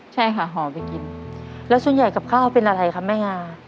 ใช่ค่ะห่อไปกินแล้วส่วนใหญ่กับข้าวเป็นอะไรคะแม่งา